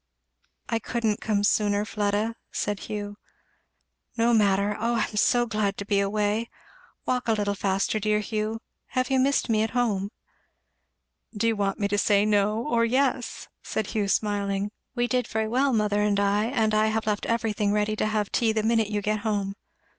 "I couldn't come sooner, Fleda," said Hugh. "No matter O I'm so glad to be away! Walk a little faster, dear Hugh. Have you missed me at home?" "Do you want me to say no or yes?" said Hugh smiling. "We did very well mother and I and I have left everything ready to have tea the minute you get home.